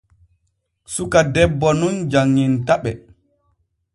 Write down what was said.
Suka debbo nun janŋintaɓe.